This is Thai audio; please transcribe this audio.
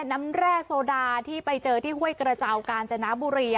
แร่โซดาที่ไปเจอที่ห้วยกระเจ้ากาญจนบุรี